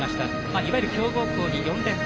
いわゆる強豪校に４連敗。